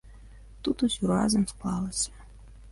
Тут усё разам склалася.